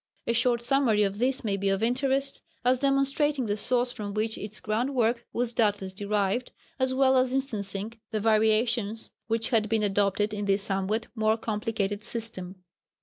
A short summary of this may be of interest as demonstrating the source from which its ground work was doubtless derived, as well as instancing the variations which had been adopted in this somewhat more complicated system.